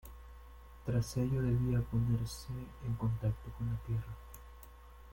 Tras ello, debía ponerse en contacto con la Tierra.